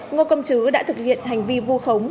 ngô công chứ đã thực hiện hành vi vu khống